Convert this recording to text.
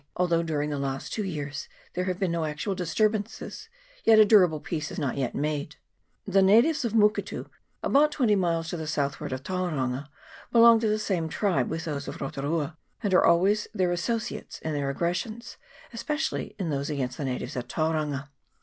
Although during the last two years there have been no actual disturbances, yet a durable peace is not yet made. The natives at Mu ketu, about twenty miles to the southward of Tau ranga, belong to the same tribe with those of Rotu rua, and are always their associates in their aggres sions, especially in those against the natives at Tauranga.